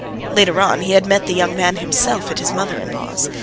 Later on he had met the young man himself at his mother in law's.